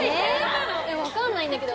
・分かんないんだけど